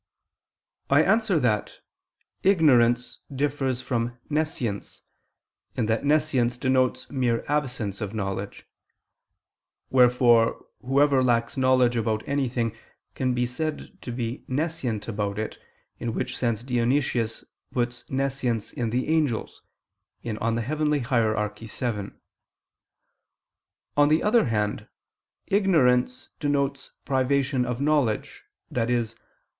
I answer that, Ignorance differs from nescience, in that nescience denotes mere absence of knowledge; wherefore whoever lacks knowledge about anything, can be said to be nescient about it: in which sense Dionysius puts nescience in the angels (Coel. Hier. vii). On the other hand, ignorance denotes privation of knowledge, i.e.